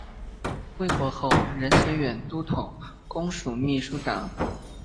归国后任绥远都统公署秘书长。